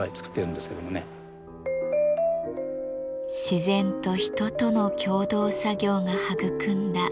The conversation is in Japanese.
自然と人との共同作業が育んだ結晶です。